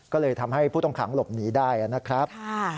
ก็เลยทำให้ผู้ต้องขังหลบหนีได้นะครับ